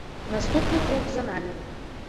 Наступны крок за намі.